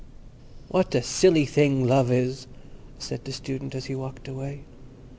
"What a silly thing Love is," said the Student as he walked away.